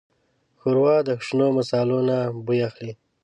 ښوروا د شنو مصالو نه بوی اخلي.